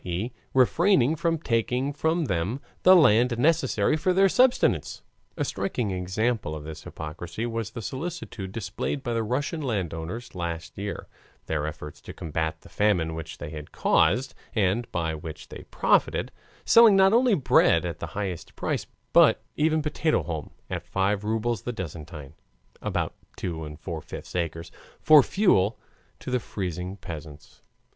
e., refraining from taking from them the land necessary for their subsistence. (A striking example of this hypocrisy was the solicitude displayed by the Russian landowners last year, their efforts to combat the famine which they had caused, and by which they profited, selling not only bread at the highest price, but even potato haulm at five rubles the dessiatine (about 2 and four fifths acres) for fuel to the freezing peasants.)